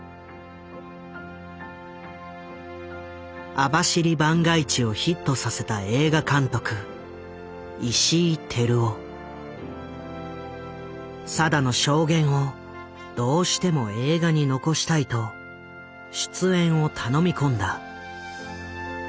「網走番外地」をヒットさせた定の証言をどうしても映画に残したいと出演を頼み込んだ。